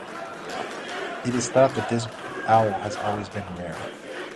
It is thought that this owl has always been rare.